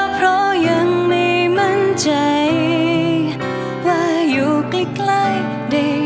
เพราะยังไม่มั่นใจว่าอยู่ใกล้ดี